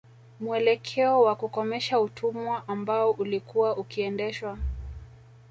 Muelekeo wa kukomesha utumwa ambao ulikuwa ukiendeshwa